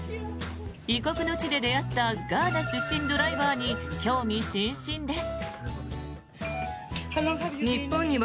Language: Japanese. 異国の地で出会ったガーナ出身ドライバーに興味津々です。